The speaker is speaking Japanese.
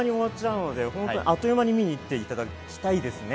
あっという間に見に行っていただきたいですね。